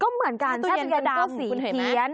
ก็เหมือนกันเท่าสุดเย็นก็สีเขียน